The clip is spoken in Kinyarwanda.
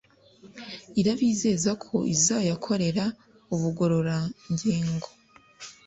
irabizeza ko izayakorera ubugororangingo